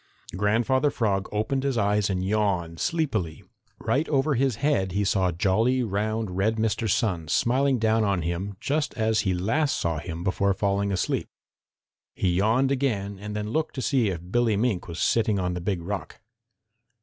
Grandfather Frog opened his eyes and yawned sleepily. Right over his head he saw jolly, round, red Mr. Sun smiling down on him just as he last saw him before falling asleep. He yawned again and then looked to see if Billy Mink was sitting on the Big Rock.